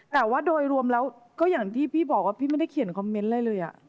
แต่ว่าโดยรวมแล้วก็อย่างที่พี่บอกว่าพี่ไม่ได้เขียนคอมเมนต์อะไรเลย